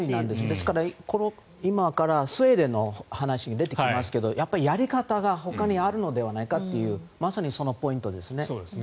ですから今からスウェーデンの話に出てきますけどやり方がほかにあるのではないかとまさにそのポイントですね。